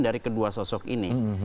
dari kedua sosok ini